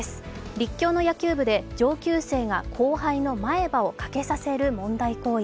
立教の野球部で上級生が後輩の前歯を欠けさせる問題行為。